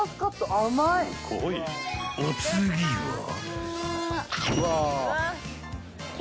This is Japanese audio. ［お次は］